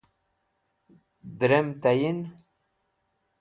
drem tayin